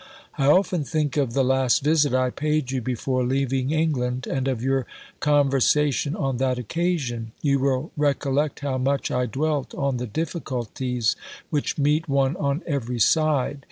I often think of the last visit I paid you before leaving England and of your conversation on that occasion. You will recollect how much I dwelt on the difficulties which meet one on every side.